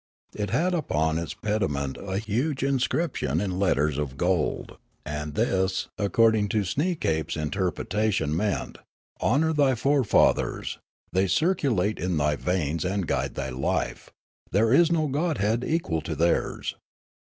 It had upon its pediment a huge in scription in letters of gold, and this, according to Sneekape's interpretation, meant :" Honour thy fore fathers ; they circulate in thy veins and guide thy life ; there is no godhead equal to theirs."